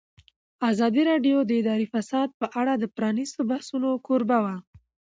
ازادي راډیو د اداري فساد په اړه د پرانیستو بحثونو کوربه وه.